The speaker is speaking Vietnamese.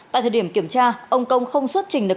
tại thời điểm kiểm tra ông công không xuất trình được